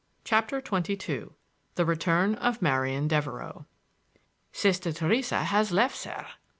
CHAPTER XXII THE RETURN OF MARIAN DEVEREUX "Sister Theresa has left, sir."